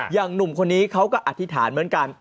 หนุ่มคนนี้เขาก็อธิษฐานเหมือนกัน